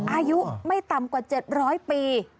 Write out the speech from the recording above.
อายุไม่ต่ำกว่า๗๐๐ปี